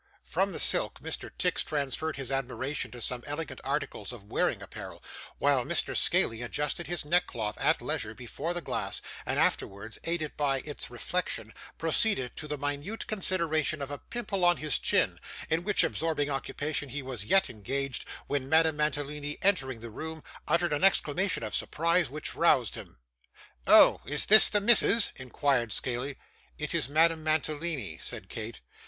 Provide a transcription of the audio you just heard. From the silk, Mr. Tix transferred his admiration to some elegant articles of wearing apparel, while Mr. Scaley adjusted his neckcloth, at leisure, before the glass, and afterwards, aided by its reflection, proceeded to the minute consideration of a pimple on his chin; in which absorbing occupation he was yet engaged, when Madame Mantalini, entering the room, uttered an exclamation of surprise which roused him. 'Oh! Is this the missis?' inquired Scaley. 'It is Madame Mantalini,' said Kate.